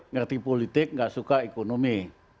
ngerti politik gak suka ekonomi